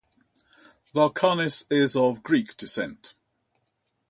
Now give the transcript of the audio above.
Valkanis is of Greek descent.